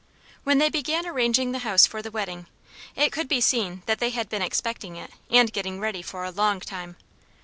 When they began arranging the house for the wedding, it could be seen that they had been expecting it, and getting ready for a long time.